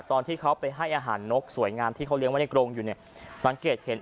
ตอนที่เขาไปให้อาหารนกสวยงามที่เขาเลี้ยไว้ในกรงอยู่เนี่ยสังเกตเห็น